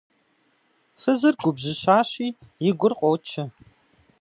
Фызыр губжьыщащи, и гур къочэ.